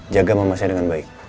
jaga mama saya dengan baik